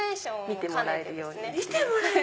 見てもらえるように！